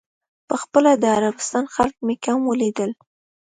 په خپله د عربستان خلک مې کم ولیدل.